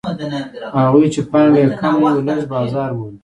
هغوی چې پانګه یې کمه وي لږ بازار مومي